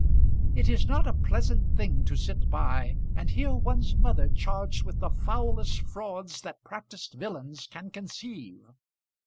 It is not a pleasant thing to sit by and hear one's mother charged with the foulest frauds that practised villains can conceive!